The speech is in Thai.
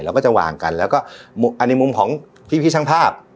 เราก็จะวางกันแล้วก็อันนี้มุมของพี่ช่างภาพ